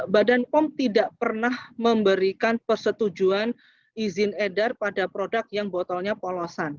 badan pom tidak pernah memberikan persetujuan izin edar pada produk yang botolnya polosan